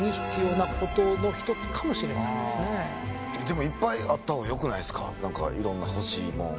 でもいっぱいあった方がよくないですか何かいろんな欲しいもん。